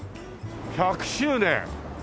１００周年！